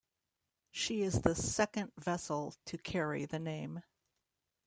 She is the second vessel to carry the name.